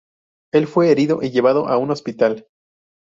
Él fue herido y llevado a un hospital.